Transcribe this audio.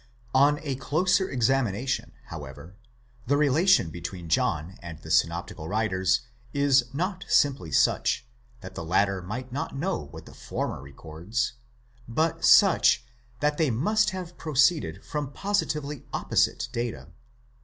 On a closer examination, however, the relation between John and the synoptical writers is not simply such, that the latter might not know what the former records, but such, that they must have proceeded from positively Opposite data.